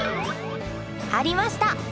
ありました！